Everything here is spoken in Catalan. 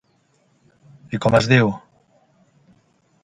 I com es diu?